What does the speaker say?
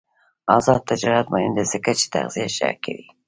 آزاد تجارت مهم دی ځکه چې تغذیه ښه کوي.